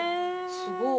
すごい。